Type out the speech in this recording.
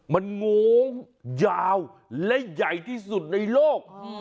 มันโง้งยาวและใหญ่ที่สุดในโลก